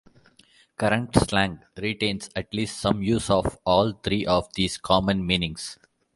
Current slang retains at least some use of all three of these common meanings.